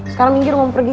sekarang minggir mau pergi